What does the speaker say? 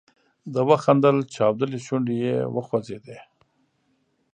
ده وخندل، چاودلې شونډې یې وخوځېدې.